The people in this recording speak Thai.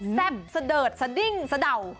แซ่บสเดิดสดิ้งสเดา